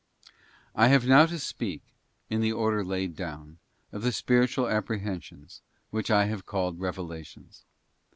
I HAVE now to speak, in the order laid down, of the spiritual apprehensions, which I have called Revelations.